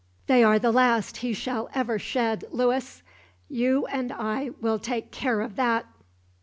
"They are the last he shall ever shed, Louis; you and I will take care of that!"